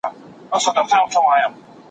زه کولای سم وخت ونیسم.